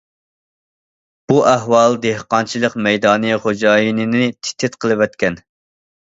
بۇ ئەھۋال دېھقانچىلىق مەيدانى خوجايىنىنى تىت- تىت قىلىۋەتكەن.